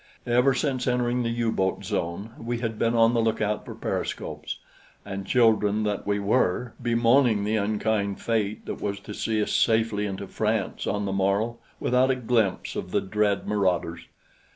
Ever since entering the U boat zone we had been on the lookout for periscopes, and children that we were, bemoaning the unkind fate that was to see us safely into France on the morrow without a glimpse of the dread marauders.